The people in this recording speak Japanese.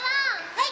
はい！